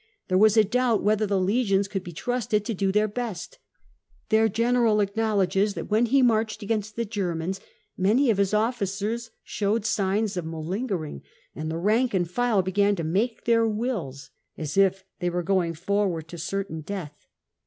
There was a doubt whether the legions could bo trusted to do their best; their general acknowledges that when he marched against the German many of his officers siiowed signs of malinger ing, and the rank and tile began to make their wills — as if they were going forward to certain death.